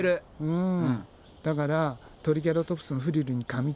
うん。